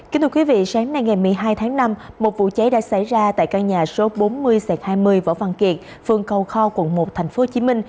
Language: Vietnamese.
kính thưa quý vị sáng nay ngày một mươi hai tháng năm một vụ cháy đã xảy ra tại căn nhà số bốn mươi hai mươi võ văn kiệt phường cầu kho quận một tp hcm